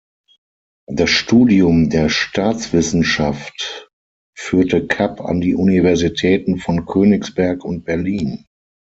Das Studium der Staatswissenschaft führte Kapp an die Universitäten von Königsberg und Berlin.